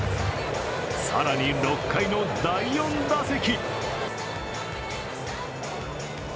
更に６回の第４打席。